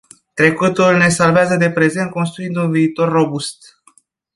Trecutul ne salvează de prezent construind un viitor robust.